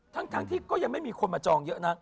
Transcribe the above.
ทั้งที่ก็ยังไม่มีคนมาจองเยอะนะ